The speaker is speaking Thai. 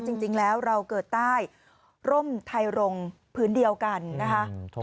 จริงแล้วเราเกิดใต้ร่มไทยรงพื้นเดียวกันนะคะ